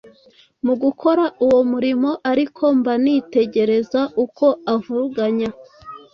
Mu gukora uwo murimo ariko mba nitegereza uko avuruganya,